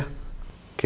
keisha adalah anaknya